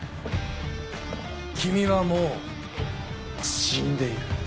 君はもう死んでいる。